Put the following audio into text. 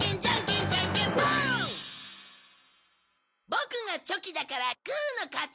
ボクがチョキだからグーの勝ち。